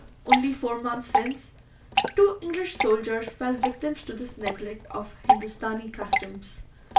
Only four months since, two English soldiers fell victims to this neglect of Hindostanee customs.